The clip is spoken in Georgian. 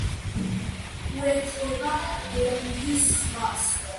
უერთდება ბერინგის ზღვას.